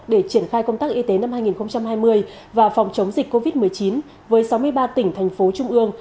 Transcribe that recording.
để triển khai công tác y tế năm hai nghìn hai mươi và phòng chống dịch covid một mươi chín với sáu mươi ba tỉnh thành phố trung ương